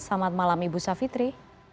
selamat malam ibu savitri